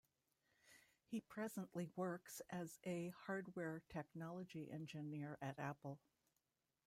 He presently works as a hardware technology engineer at Apple.